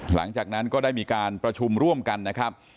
หลังจากนั้นก็ได้มีการประชุมร่วมกันนะครับ